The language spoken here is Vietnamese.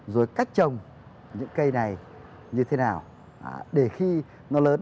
rồi cách trồng những cây này như thế nào để khi nó lớn